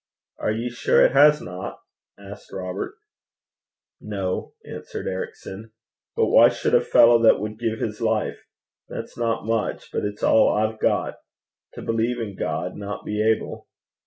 'Are ye sure it hasna?' asked Robert. 'No,' answered Ericson. 'But why should a fellow that would give his life that's not much, but it's all I've got to believe in God, not be able?